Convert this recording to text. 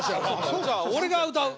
そうか俺が歌う。